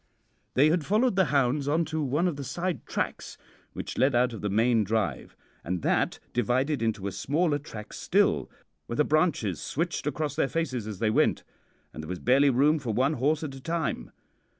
"They had followed the hounds on to one of the side tracks which led out of the main drive, and that divided into a smaller track still, where the branches switched across their faces as they went, and there was barely room for one horse at a time.